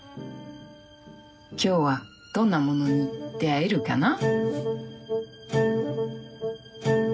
今日はどんなものに出会えるかな。